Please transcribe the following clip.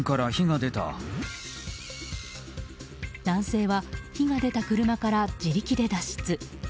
男性は火が出た車から自力で脱出。